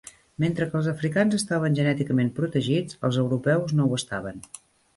Mentre que els africans estaven genèticament protegits, els europeus no ho estaven.